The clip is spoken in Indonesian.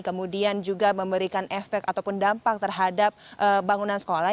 kemudian juga memberikan efek ataupun dampak terhadap bangunan sekolah